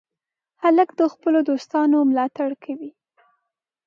هلک د خپلو دوستانو ملاتړ کوي.